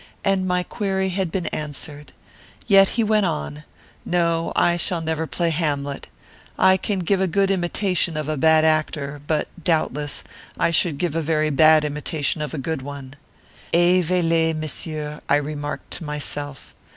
And my query had been answered. Yet he went on, 'No, I shall never play Hamlet. I can give a good imitation of a bad actor but, doubtless, I should give a very bad imitation of a good one. "Et vailet, Messieurs." I remarked to myself.